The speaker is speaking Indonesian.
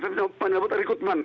saya sudah menyebut rekrutmen